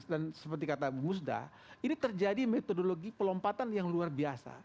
dan seperti kata musda ini terjadi metodologi pelompatan yang luar biasa